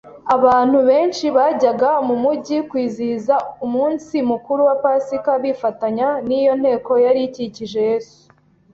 Abantu benshi bajyaga mu mujyi kwizihiza umunsi mukuru wa Pasika bifatanya n'iyo nteko yari ikikije Yesu